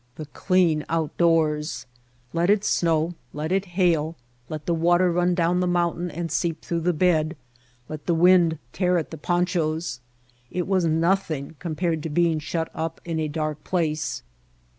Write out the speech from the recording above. The clean outdoors! Let it snow, let it hail, let the water run down the mountain and seep through the bed, let the wind tear at the pon chos! It was nothing compared to being shut up in a dark place.